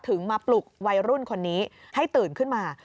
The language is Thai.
ถึงมาปลุกวัยรุ่นคนนี้ให้ตื่นขึ้นมา